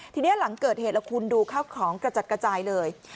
ทีนี้หลังเกิดเหตุแล้วคุณดูข้าวของกระจัดกระจายเลย